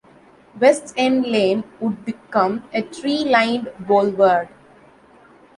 West End Lane would become "a tree-lined boulevard".